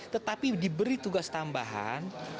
tetapi diberi tugas tambahan